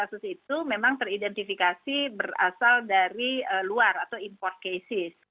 kasus itu memang teridentifikasi berasal dari luar atau import cases